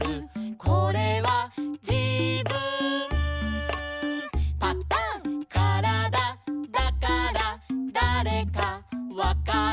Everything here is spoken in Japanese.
「これはじぶんパタン」「からだだからだれかわかる」